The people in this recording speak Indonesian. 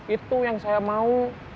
itu yang saya mau